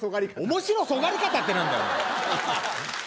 「面白そがり方」って何だよ？